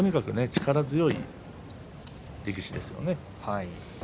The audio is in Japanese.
力強い力士ですよね。